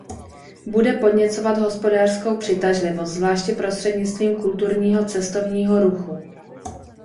Bude podněcovat hospodářskou přitažlivost, zvláště prostřednictvím kulturního cestovního ruchu.